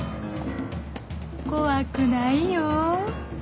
怖くないよ